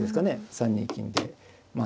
３二金でまあ